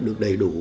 được đầy đủ